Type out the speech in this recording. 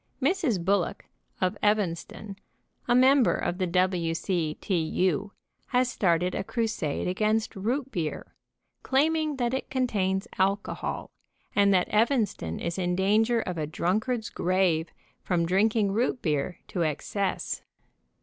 Mrs. Bullock of Evanston, a member of the W. C. T. U., has started a crusade against root beer, claiming that it contains alcohol, and that Evanston is in danger of a drunkard's grave from drinking root beer to ex cess.